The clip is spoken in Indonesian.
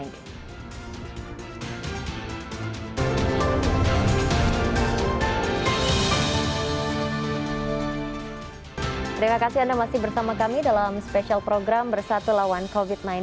terima kasih anda masih bersama kami dalam spesial program bersatu lawan covid sembilan belas